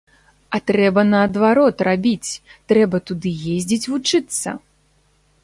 А трэба наадварот рабіць, трэба туды ездзіць вучыцца!